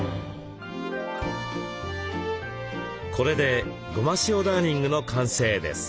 これでゴマシオダーニングの完成です。